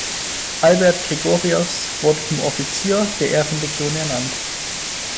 Albert Gregorius wurde zum Offizier der Ehrenlegion ernannt.